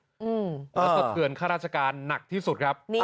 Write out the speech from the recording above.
แล้วสะเทือนข้าราชการหนักที่สุดครับ